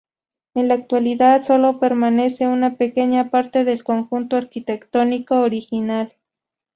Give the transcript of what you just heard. En la actualidad sólo permanece una pequeña parte del conjunto arquitectónico original.